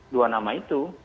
dua nama itu